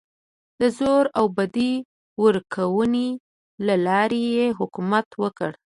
د زور او بډې ورکونې له لارې یې حکومت وکړ.